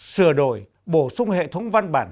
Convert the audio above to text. sửa đổi bổ sung hệ thống văn bản